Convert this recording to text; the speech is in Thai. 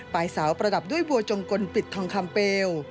ปลายสาวประดับด้วยวัจจงกลปิดทองคำเปล